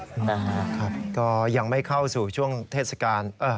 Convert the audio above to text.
นะครับก็ยังไม่เข้าสู่ช่วงเทศกาล